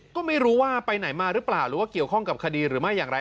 ก็ไม่รู้ว่าไปไหนมาหรือเปล่าหรือว่าเกี่ยวข้องกับคดีหรือไม่อย่างไร